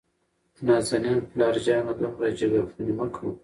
نازنين : پلار جانه دومره جګرخوني مه کوه.